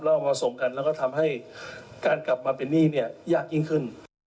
แล้วเอามาส่งกันแล้วก็ทำให้การกลับมาเป็นหนี้เนี่ยยากยิ่งขึ้น